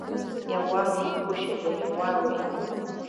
Иауауеи-гәышьаӡа, иауауеи!